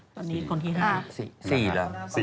ตอนนี้คนที่๕แล้วครับนะฮะ